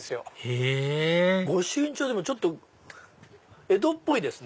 へぇ御朱印帳でもちょっと江戸っぽいですね。